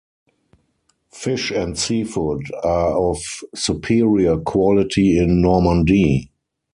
Fish and seafood are of superior quality in Normandy.